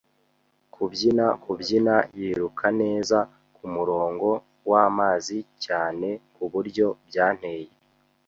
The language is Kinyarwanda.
kubyina kubyina, yiruka neza kumurongo wamazi cyane kuburyo byanteye